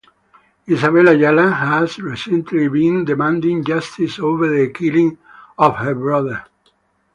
Isabel Ayala had recently been demanding justice over the killing of her brother.